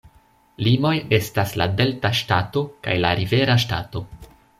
Limoj estas la Delta Ŝtato kaj la Rivera Ŝtato.